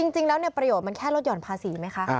จริงแล้วประโยชน์มันแค่ลดห่อนภาษีไหมคะ